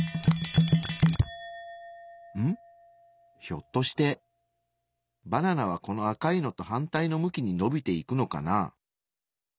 ひょっとしてバナナはこの赤いのと反対の向きにのびていくのかな。